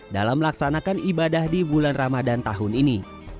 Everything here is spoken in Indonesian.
dalam melaksanakan ibadah di bulan ramadan tahun ini